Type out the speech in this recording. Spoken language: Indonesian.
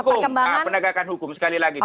kami mendukung penegakan hukum sekali lagi